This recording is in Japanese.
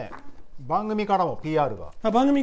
番組からもＰＲが。